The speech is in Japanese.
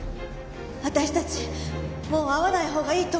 私たちもう会わないほうがいいと思う。